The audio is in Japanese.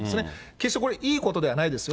決してこれ、いいことじゃないですよ。